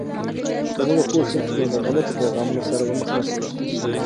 که موږ پوه شو، نو د غلطو پیغامونو سره به مخ نسو.